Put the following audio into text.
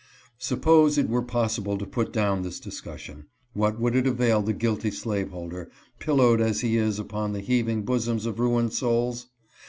Suppose it were possible to put down this discussion, what would it avail the guilty slaveholder, pillowed as he is upon the heaving bosoms of ruined souls?